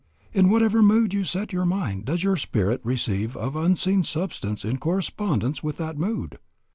... In whatever mood you set your mind does your spirit receive of unseen substance in correspondence with that mood.